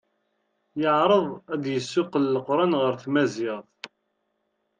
Yeɛreḍ ad d-yessuqel leqran ɣer tmaziɣt.